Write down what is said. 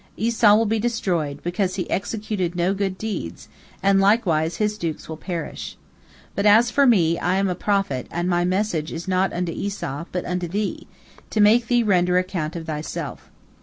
Esau will be destroyed, because he executed no good deeds, and likewise his dukes will perish. But as for me, I am a prophet, and my message is not unto Esau, but unto thee, to make thee render account of thyself."